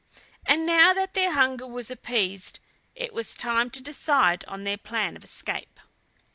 And now that their hunger was appeased, it was time to decide on their plan of escape.